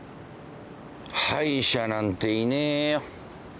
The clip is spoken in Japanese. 敗者なんていねえよ。